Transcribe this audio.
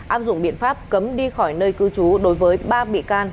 áp dụng biện pháp cấm đi khỏi nơi cư trú đối với ba bị can